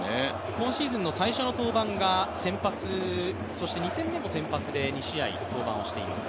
今シーズンの最初の登板が先発、そして２戦目も先発で２試合登板をしています。